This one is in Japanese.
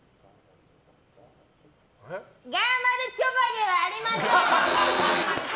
がまるちょばではありません！